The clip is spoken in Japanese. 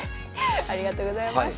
ありがとうございます。